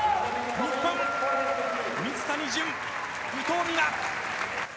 日本、水谷隼、伊藤美誠。